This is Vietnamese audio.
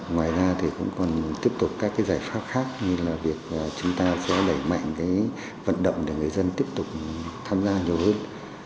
ngoài ra thì cũng còn tiếp tục các giải pháp khác như là việc chúng ta sẽ đẩy mạnh vận động để người dân tiếp tục tham gia nhiều hơn